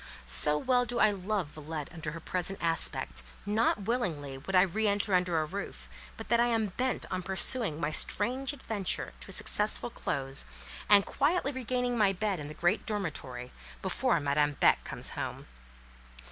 So well do I love Villette under her present aspect, not willingly would I re enter under a roof, but that I am bent on pursuing my strange adventure to a successful close, and quietly regaining my bed in the great dormitory, before Madame Beck comes home.